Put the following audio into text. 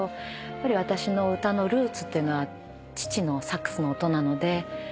やっぱり私の歌のルーツというのは父のサックスの音なので。